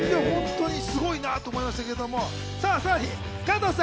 すごいなと思いましたけど。